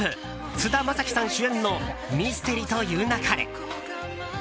菅田将暉さん主演の「ミステリと言う勿れ」。